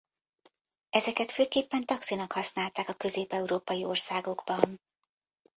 Ezeket főképpen taxinak használták a közép-európai országokban.